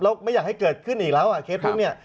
แล้วไม่อยากให้เกิดขึ้นอีกแล้วอ่ะเคสพวกนี้